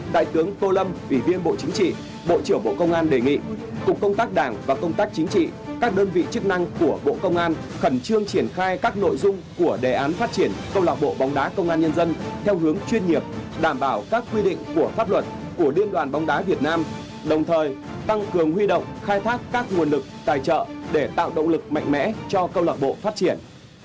đại tướng tô lâm ủy viên bộ chính trị bộ trưởng bộ công an đề nghị cục công tác đảng và công tác chính trị các đơn vị chức năng của bộ công an khẩn trương triển khai các nội dung của đề án phát triển câu lạc bộ bóng đá công an nhân dân theo hướng chuyên nghiệp đảm bảo các quy định của pháp luật của liên đoàn bóng đá việt nam đồng thời tăng cường huy động khai thác các nguồn lực tài trợ để tạo động lực mạnh mẽ cho câu lạc bộ phát triển